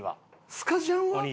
スカジャンは？